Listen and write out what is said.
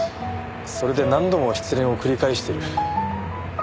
それで何度も失恋を繰り返している。